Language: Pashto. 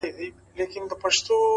هره هڅه د بریا تخم شیندي؛